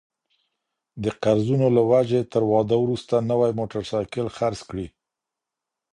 د قرضونو له وجهي تر واده وروسته نوی موټرسايکل خرڅ کړي